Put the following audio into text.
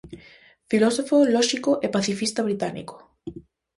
Filósofo, lóxico e pacifista británico.